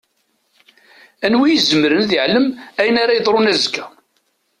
Anwa i izemren ad iɛlem ayen ara yeḍṛun azekka?